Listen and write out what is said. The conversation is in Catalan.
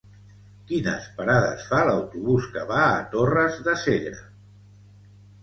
Quines parades fa l'autobús que va a Torres de Segre?